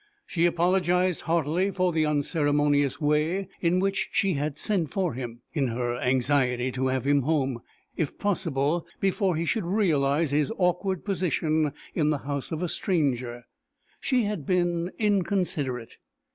She apologized heartily for the unceremonious way in which she had sent for him. In her anxiety to have him home, if possible, before he should realize his awkward position in the house of a stranger, she had been inconsiderate!